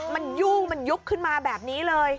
มันยุ่งมันยุบขึ้นมาแบบนี้เลย